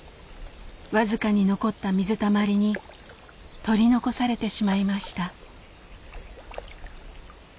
僅かに残った水たまりに取り残されてしまいました。